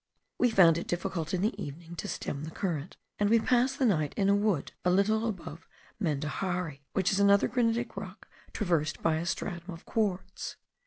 We found it difficult in the evening to stem the current, and we passed the night in a wood a little above Mendaxari; which is another granitic rock traversed by a stratum of quartz.